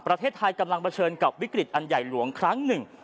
ประเทศไทยกำลังเผชิญกับวิกฤตอันใหญ่หลวงครั้งหนึ่ง